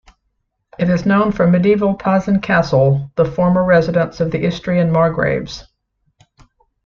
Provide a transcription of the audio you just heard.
It is known for medieval Pazin Castle, the former residence of the Istrian margraves.